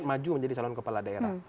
maju menjadi calon kepala daerah